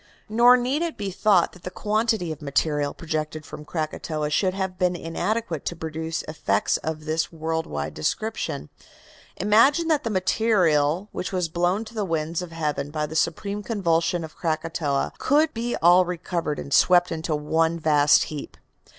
Nor need it be thought that the quantity of material projected from Krakatoa should have been inadequate to produce effects of this world wide description. Imagine that the material which was blown to the winds of heaven by the supreme convulsion of Krakatoa could be all recovered and swept into one vast heap.